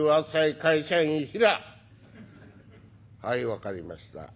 「はい分かりました。